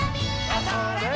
あ、それっ。